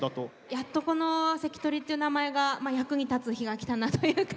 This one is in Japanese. やっとこの「関取」っていう名前が役に立つ日が来たなというか。